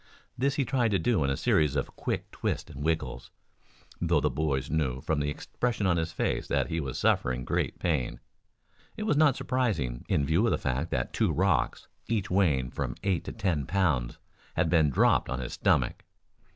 This he tried to do in a series of quick twists and wriggles, though the boys knew from the expression on his face that he was suffering great pain. It was not surprising, in view of the fact that two rocks, each weighing from eight to ten pounds, had been dropped on his stomach.